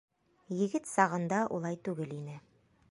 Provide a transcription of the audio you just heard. Егет сағында улай түгел ине.